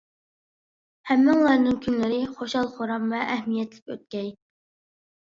ھەممىڭلارنىڭ كۈنلىرى خۇشال-خۇرام ۋە ئەھمىيەتلىك ئۆتكەي.